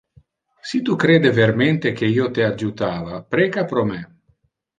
Si tu crede vermente que io te adjutava, preca pro me.